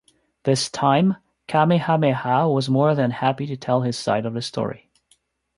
This time Kamehameha was more than happy to tell his side of the story.